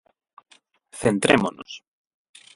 Centrémonos.